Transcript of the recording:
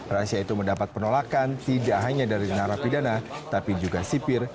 rahasia itu mendapat penolakan tidak hanya dari narapidana tapi juga sipir